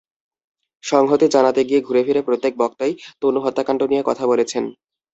সংহতি জানাতে গিয়ে ঘুরেফিরে প্রত্যেক বক্তাই তনু হত্যাকাণ্ড নিয়ে কথা বলেছেন।